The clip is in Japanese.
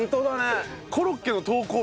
コロッケの投稿